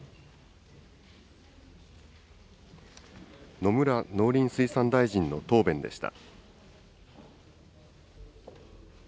野村農林水産大臣の答弁でした。